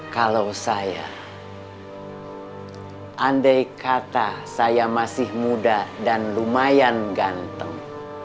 kalau saya andai kata saya masih muda dan lumayan ganteng